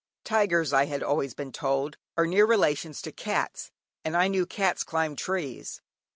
Tigers, I had always been told, are near relations to cats, and I knew cats climb trees.